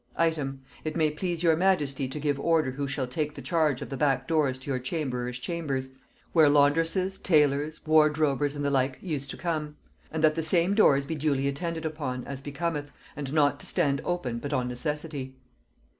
"Item. It may please your majesty to give order who shall take the charge of the back doors to your chamberers chambers, where landresses, tailors, wardrobers, and the like, use to come; and that the same doors be duly attended upon, as becometh, and not to stand open but upon necessity.